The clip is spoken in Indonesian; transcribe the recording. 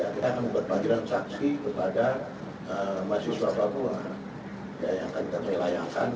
kita akan membuat panggilan saksi kepada mahasiswa papua yang akan kami layangkan